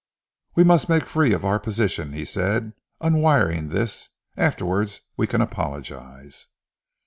"We must make free of our position," he said, unwiring this, "afterwards we can apologise."